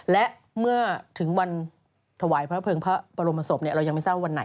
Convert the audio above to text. และเมื่อถึงวันถวายพระเภิงพระบรมศพเรายังไม่ทราบวันไหน